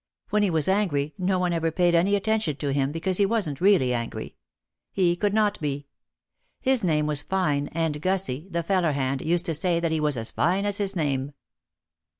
When he was angry no one ever paid any attention to him because he wasn't really angry. He could not be. His name was Fine, and Gussie, the feller hand, used to say that he was as fine as his name.